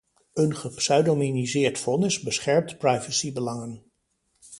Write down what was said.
Een gepseudonimiseerd vonnis beschermt privacybelangen.